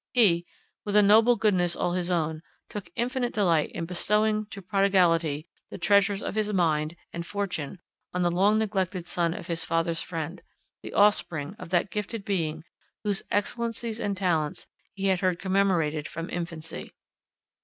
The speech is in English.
He, with a noble goodness all his own, took infinite delight in bestowing to prodigality the treasures of his mind and fortune on the long neglected son of his father's friend, the offspring of that gifted being whose excellencies and talents he had heard commemorated from infancy.